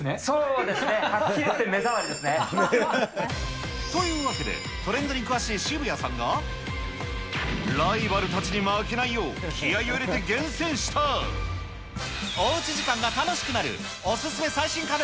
はっきり言ってというわけで、トレンドに詳しい渋谷さんが、ライバルたちに負けないよう、気合いを入れて厳選した、おうち時間が楽しくなるお勧め最新家電